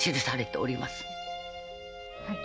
はい。